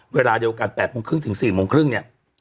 เวลาเดียวกัน๘โมงครึ่งถึง๔โมงครึ่งเนี่ย